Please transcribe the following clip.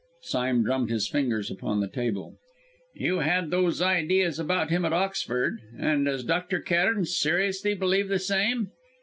Sime drummed his fingers upon the table. "You had those ideas about him at Oxford; and does Dr. Cairn seriously believe the same?"